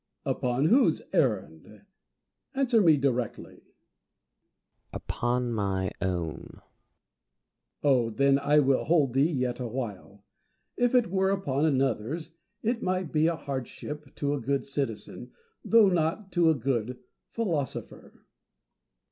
Diogenes. Upon whose errand ? Answer me directly. Plato. Upon my own. Diogenes. Oh, tlien I will hold thee yet awhile. If it were upon another's, it might be a hardship to a good citizen, though not to a good philosopher.